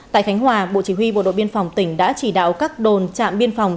tại khánh hòa bộ chỉ huy bộ đội biên phòng tỉnh đã chỉ đạo các đồn trạm biên phòng